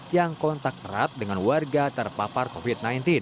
yang kontak erat dengan warga terpapar covid sembilan belas